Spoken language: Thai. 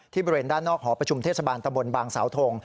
บริเวณด้านนอกหอประชุมเทศบาลตะบนบางสาวทง